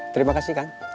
terima kasih kang